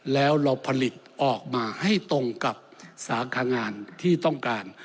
แล้วเราผลิตออกมาให้ตรงกับสาขางานที่ต้องการ